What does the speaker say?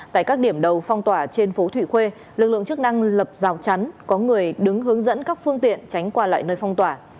tại các điểm đầu phong tỏa trên phố thụy khuê lực lượng chức năng lập rào chắn có người đứng hướng dẫn các phương tiện tránh qua lại nơi phong tỏa